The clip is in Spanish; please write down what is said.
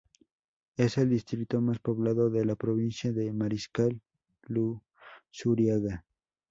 Es el distrito más poblado de la provincia de Mariscal Luzuriaga.